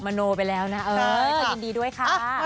มโนไปแล้วนะเขายินดีด้วยค่ะ